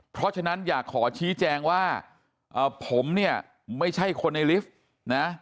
เพราะฉะนั้นอยากขอชี้แจงว่าผมเนี่ยไม่ใช่คนในลิฟต์นะ